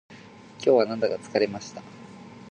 今日はなんだか疲れました